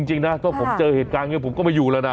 จริงนะถ้าผมเจอเหตุการณ์นี้ผมก็ไม่อยู่แล้วนะ